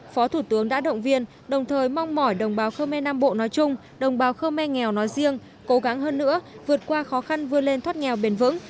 phó thủ tướng đã động viên đồng thời mong mỏi đồng bào khơ me nam bộ nói chung đồng bào khơ me nghèo nói riêng cố gắng hơn nữa vượt qua khó khăn vươn lên thoát nghèo bền vững